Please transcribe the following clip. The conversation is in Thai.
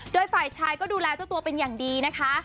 โดยฝ่ายชายก็ดูแลเจ้าตัวเป็นอย่างดีนะคะ